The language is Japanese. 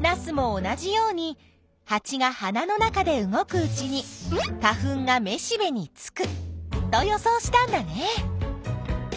ナスも同じようにハチが花の中で動くうちに花粉がめしべにつくと予想したんだね。